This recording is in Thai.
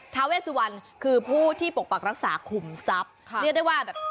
เวสวันคือผู้ที่ปกปักรักษาขุมทรัพย์ค่ะเรียกได้ว่าแบบ